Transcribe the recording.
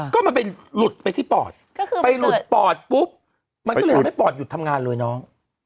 ก็มันไปหลุดไปที่ปอดไปหลุดปอดปุ๊บมันก็เลยทำให้ปอดหยุดทำงานเลยน้อง